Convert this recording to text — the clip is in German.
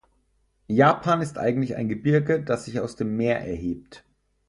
Japan ist eigentlich ein Gebirge, das sich aus dem Meer erhebt.